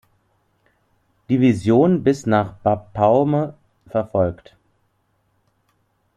Division bis nach Bapaume verfolgt.